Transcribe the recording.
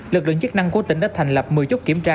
lực lượng chức năng của tỉnh đã thành lập một mươi chốt kiểm tra